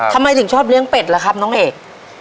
ทำไมถึงชอบเลี้ยงเป็ดล่ะครับน้องเอก